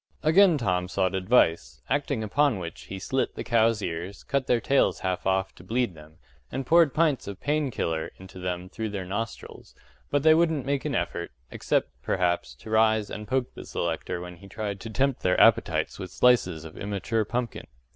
” Again Tom sought advice, acting upon which he slit the cows' ears, cut their tails half off to bleed them, and poured pints of “pain killer” into them through their nostrils; but they wouldn't make an effort, except, perhaps, to rise and poke the selector when he tried to tempt their appetites with slices of immature pumpkin.